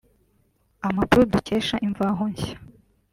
Amakuru dukesha Imvaho Nshya